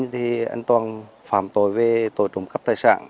thì anh toàn phạm tội về tội trùng cấp tài sản